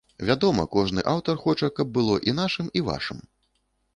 Вядома, кожны аўтар хоча каб было і нашым і вашым.